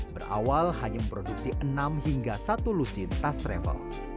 berawal hanya memproduksi enam hingga satu lusin tas travel